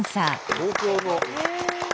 東京の。